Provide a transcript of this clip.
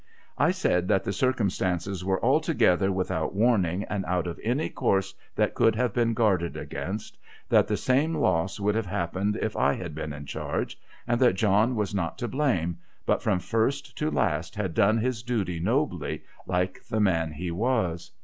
I said that the circum stances were altogether without warning, and out of any course that could have been guarded against ; that the same loss would have happened if I had been in charge ; and that John was not to blame, but from first to last had done his duty nobly, like the man he was.